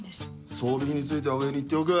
装備品については上に言っておく。